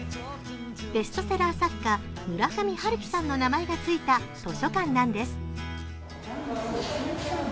ベストセラー作家・村上春樹さんの名前が付いた図書館なんです。